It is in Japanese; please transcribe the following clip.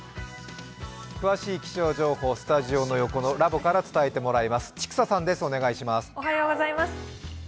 詳しい気象情報、スタジオの横のラボから伝えてもらいます。